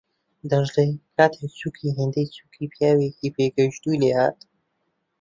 دەشڵێ کاتێک چووکی هێندەی چووکی پیاوێکی پێگەیشتووی لێهات